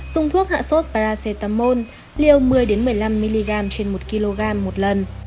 dùng thuốc hạ sốt paracetamol liều một mươi một mươi năm mg trên một kg một lần